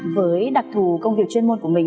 với đặc thù công việc chuyên môn của mình